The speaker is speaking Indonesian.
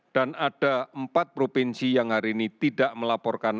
dan ada empat provinsi yang hari ini tidak melaporkan